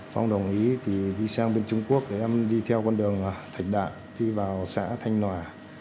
phong đồng ý thì đi sang bên trung quốc để em đi theo con đường thảnh đạn đi vào xã thanh nòa